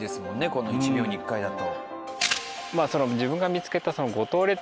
この１秒に１回だと。